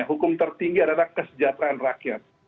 hukum tertinggi adalah kesejahteraan rakyat